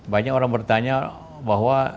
banyak orang bertanya bahwa